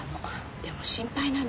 でも心配なの。